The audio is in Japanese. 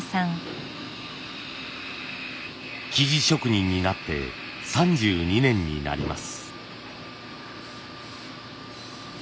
素地職人になって３２年になります。